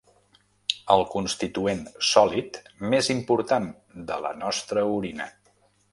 El constituent sòlid més important de la nostra orina.